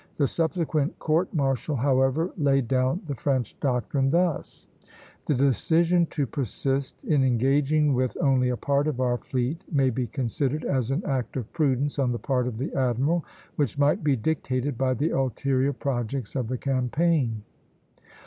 The subsequent court martial, however, laid down the French doctrine thus: "The decision to persist in engaging with only a part of our fleet may be considered as an act of prudence on the part of the admiral, which might be dictated by the ulterior projects of the campaign."